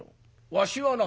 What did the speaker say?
わしはな